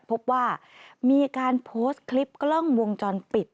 พบว่ามีการโพสต์คลิปกล้องวงจรปิด